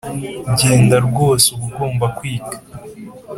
genda rwose uba ugomba kwiga